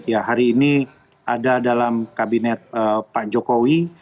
ya hari ini ada dalam kabinet pak jokowi